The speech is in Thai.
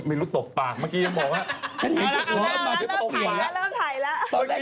มันก็คนละครึ่งทางส่วนใหญ่